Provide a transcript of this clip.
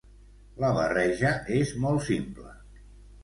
La barreja és molt simple.